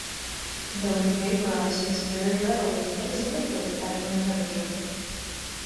Though it vaporises very readily, it is a liquid at room temperature.